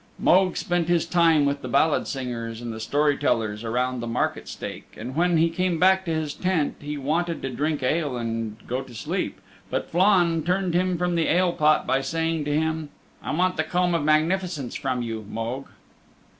Mogue spent his time with the ballad singers and the story tellers around the market stake, and when he came back to his tent he wanted to drink ale and go to sleep, but Flann turned him from the ale pot by saying to him, "I want the Comb of Magnificence from you, Mogue."